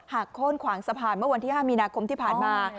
โค้นขวางสะพานเมื่อวันที่๕มีนาคมที่ผ่านมา